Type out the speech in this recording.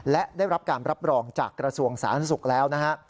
และได้รับการรับรองจากกระทรวงสาธารณสุขแล้วนะฮะ